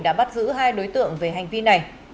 đã bắt giữ hai đối tượng về hành vi này